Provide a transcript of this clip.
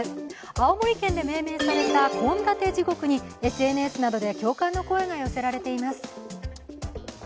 青森県で命名された献立地獄にＳＮＳなどで共感の声が寄せられています。